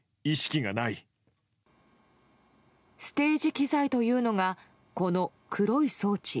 機材というのがこの黒い装置。